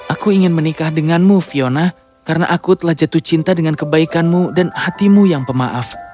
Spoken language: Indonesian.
aku ingin menikah denganmu fiona karena aku telah jatuh cinta dengan kebaikanmu dan hatimu yang pemaaf